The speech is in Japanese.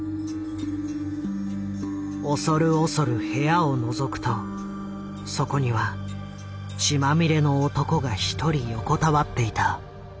恐る恐る部屋をのぞくとそこには血まみれの男が一人横たわっていた。